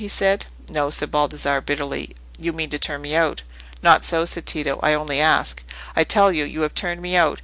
he said. "No," said Baldassarre, bitterly, "you mean to turn me out." "Not so," said Tito; "I only ask." "I tell you, you have turned me out.